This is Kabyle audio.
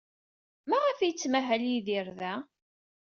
Maɣef ay yettmahal Yidir da?